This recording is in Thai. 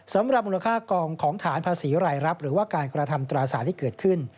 สำหรับมูลค่ากองของฐานภาษีรายรับหรือว่าการกระทำตราสารที่เกิดขึ้น